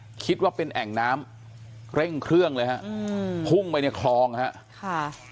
มีคิดว่าเป็นแอ่งน้ำเร่งเครื่องเลยฮะหุ้มไปเนี่ยคลองครับค่ะ